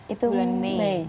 itu bulan mei